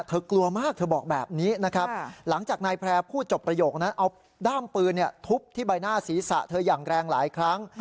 กลัวมากเธอบอกแบบนี้นะครับหลังจากนายแพร่พูดจบประโยคนั้นเอาด้ามปืนทุบที่ใบหน้าศีรษะเธออย่างแรงหลายครั้ง